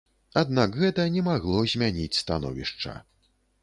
Аднак гэта не магло змяніць становішча.